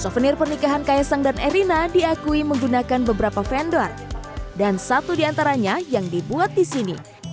souvenir pernikahan kaisang dan erina diakui menggunakan beberapa vendor dan satu diantaranya yang dibuat di sini